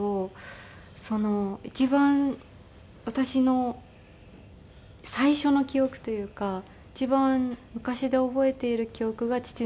一番私の最初の記憶というか一番昔で覚えている記憶が父の記憶で。